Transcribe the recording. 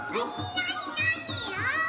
なになに？